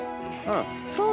うん。